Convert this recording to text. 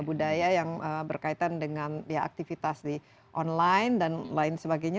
budaya yang berkaitan dengan ya aktivitas di online dan lain sebagainya